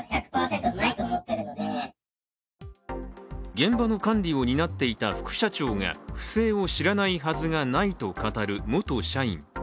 現場の管理を担っていた副社長が不正を知らないはずがないと語る元社員。